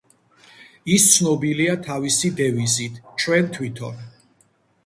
ის ცნობილია თავისი დევიზით: „ჩვენ თვითონ“.